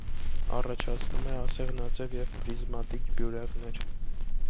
Առաջացնում է ասեղնաձև և պրիզմատիկ բյուրեղներ։